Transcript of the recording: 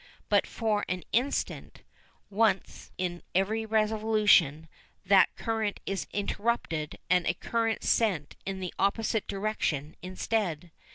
But for an instant once in every revolution that current is interrupted and a current sent in the opposite direction instead.